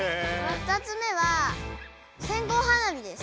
２つ目は線香花火です。